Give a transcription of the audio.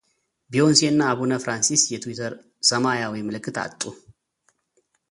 ቢዮንሴ እና አቡነ ፍራንሲስ የትዊተር ሰማያዊ ምልክት አጡ